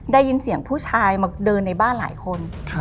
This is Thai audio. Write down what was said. ได้ยินเสียงผู้ชายมาเดินในบ้านหลายคน